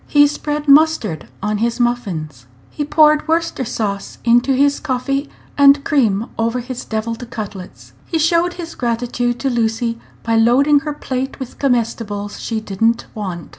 He spread mustard on his muffins. He poured Worcester sauce into his coffee, and cream over his deviled cutlets. He showed his gratitude to Lucy by loading her plate with comestibles she did n't want.